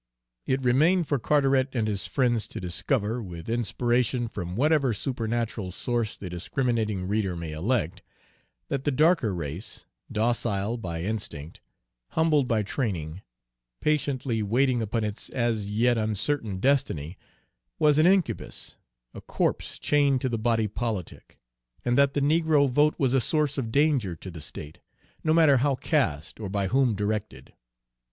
It remained for Carteret and his friends to discover, with inspiration from whatever supernatural source the discriminating reader may elect, that the darker race, docile by instinct, humble by training, patiently waiting upon its as yet uncertain destiny, was an incubus, a corpse chained to the body politic, and that the negro vote was a source of danger to the state, no matter how cast or by whom directed.